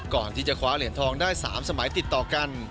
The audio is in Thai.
ก่อนที่จะคว้าเหรียญทองได้๓สมัยติดต่อกัน